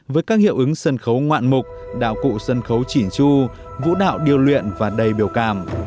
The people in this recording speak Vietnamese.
với các hiệu ứng sân khấu ngoạn mục đạo cụ sân khấu chỉn chu vũ đạo điêu luyện và đầy biểu cảm